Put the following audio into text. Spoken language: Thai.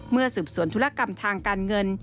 เมื่อสืบสวนธุรกรรมทางการเงิน